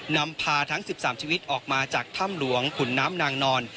นำพาทั้ง๑๓ชีวิตออกมาจากถ้ำหลวงขุนน้ำนางนอน